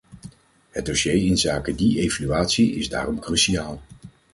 Het dossier inzake die evaluatie is daarom cruciaal.